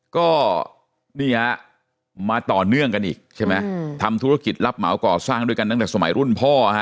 ก็นี่ฮะมาต่อเนื่องกันอีกใช่ไหมทำธุรกิจรับเหมาก่อสร้างด้วยกันตั้งแต่สมัยรุ่นพ่อฮะ